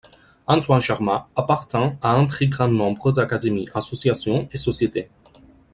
Antoine Charma appartint à un très grand nombre d'académies, associations et sociétés.